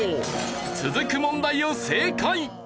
続く問題を正解。